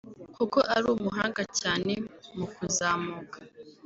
kuko ari umuhanga cyane mu kuzamuka